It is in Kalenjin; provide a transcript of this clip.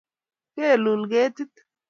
kelul ketit